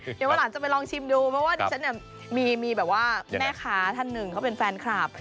เดี๋ยววันหลานจะไปลองชิมดูเพราะว่าดิฉันเนี่ยมีแบบว่าแม่ค้าท่านหนึ่งเขาเป็นแฟนคลับ